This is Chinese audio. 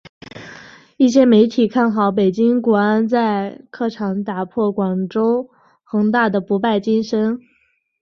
一些媒体看好北京国安在客场打破广州恒大的不败金身。